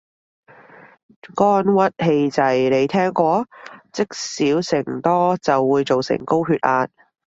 肝鬱氣滯，你聽過？積少成多就會做成高血壓